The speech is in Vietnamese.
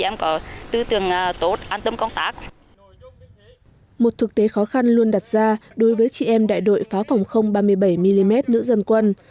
một thực tế khó khăn luôn đặt ra đối với chị em đại đội pháo phòng không ba mươi bảy mm nữ dân quân